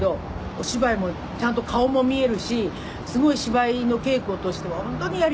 お芝居もちゃんと顔も見えるしすごい芝居の稽古としては本当にやりやすかったんです」